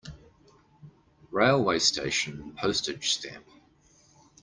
Railway station Postage stamp.